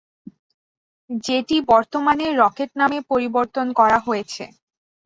যেটি বর্তমানে রকেট নামে পরিবর্তন করা হয়েছে।